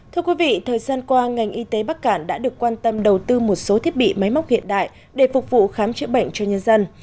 thưa quý vị thời gian qua ngành y tế bắc cạn đã được quan tâm đầu tư một số thiết bị máy móc hiện đại để phục vụ khám chữa bệnh cho nhân dân